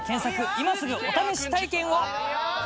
今すぐお試し体験を！